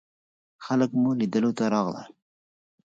خلک مو لیدلو ته راغلل.